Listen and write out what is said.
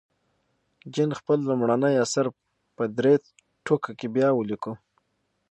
جین خپل لومړنی اثر په درې ټوکه کې بیا ولیکه.